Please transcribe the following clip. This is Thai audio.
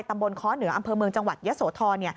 ตำบลค้อเหนืออำเภอเมืองจังหวัดยะโสธร